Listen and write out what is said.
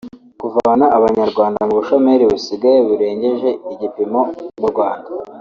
kuvana abanyarwanda mu bushomeri busigaye burengeje igipimo mu Rwanda